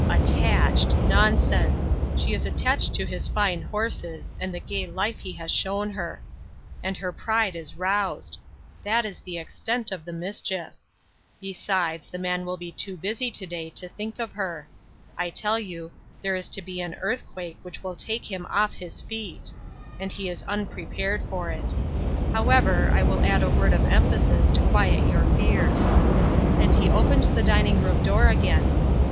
"Attached! Nonsense! She is attached to his fine horses, and the gay life he has shown her ; and her pride is roused ; that is the extent of the mis chief. Besides, the man will be too busy to day to think of her. I tell you, there is to be an earth quake which will take him off his feet ; and he is 212 A PLAIN UNDERSTANDING. unprepared for it. However, I will add a word of emphasis, to quiet your fears." And he opened the dining room door again.